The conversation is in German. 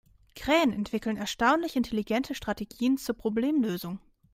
Krähen entwickeln erstaunlich intelligente Strategien zur Problemlösung.